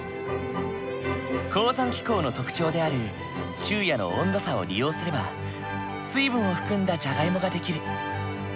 高山気候の特徴である昼夜の温度差を利用すれば水分を含んだじゃがいもが出来る。